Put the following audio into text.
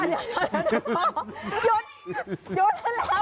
ยด